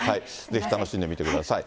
ぜひ楽しんでみてください。